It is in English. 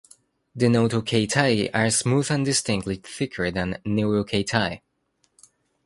The notochaetae are smooth and distinctly thicker than neurochaetae.